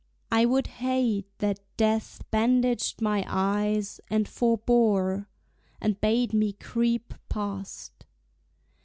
I would hate that death bandaged my eyes, and forbore, And bade me creep past.